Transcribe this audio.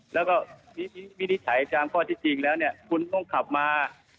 แล้วก็วิธีถ่ายจางข้อที่จริงแล้วคุณต้องขับมา